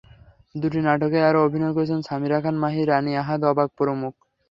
দুটি নাটকেই আরও অভিনয় করছেন সামিরা খান মাহি, রানী আহাদ, অবাক প্রমুখ।